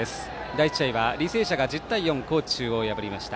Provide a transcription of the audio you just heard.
第１試合は履正社が１０対４で高知中央を破りました。